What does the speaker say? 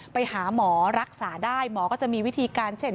ไปหาหมอรักษาได้หมอก็จะมีวิธีการเช่น